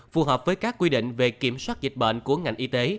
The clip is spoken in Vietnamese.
phù hợp với các quy định về kiểm soát dịch bệnh của ngành y tế